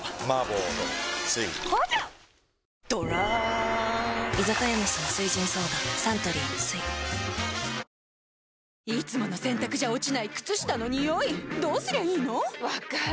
ドランサントリー「翠」いつもの洗たくじゃ落ちない靴下のニオイどうすりゃいいの⁉分かる。